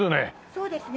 そうですね。